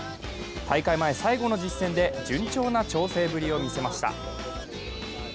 大会前最後の実戦で順調な調整ぶりを見せました。